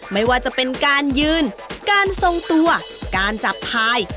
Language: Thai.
ไม่ว่าจะเป็นการยืนการทรงตัวการจับพาย